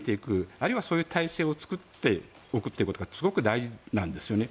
あるいはそういう体制を作っておくということがすごく大事なんですよね。